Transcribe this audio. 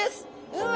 うわ！